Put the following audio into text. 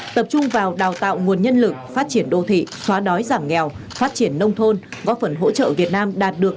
tập trung vào đào tạo nguồn nhân lực phát triển đô thị xóa đói giảm nghèo phát triển nông thôn góp phần hỗ trợ việt nam đạt được